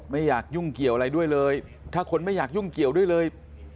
ไม่อยากยุ่งเกี่ยวอะไรด้วยเลยถ้าคนไม่อยากยุ่งเกี่ยวด้วยเลย